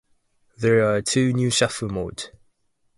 There are two new shuffle modes.